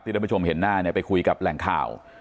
ที่ท่านผู้ชมเห็นหน้าไปคุยกับแหล่งข่าว